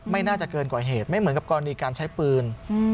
ไม่น่าจะเกินกว่าเหตุไม่เหมือนกับกรณีการใช้ปืน